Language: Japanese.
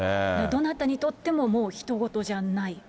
どなたにとってももうひと事じゃない。